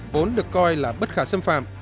vốn được coi là bất khả xâm phạm